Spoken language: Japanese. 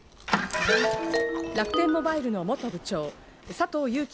楽天モバイルの元部長佐藤友紀